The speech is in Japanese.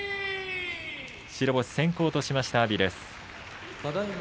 白星先行としました阿炎です。